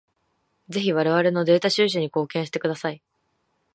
ぜひ我々のデータ収集に貢献してください。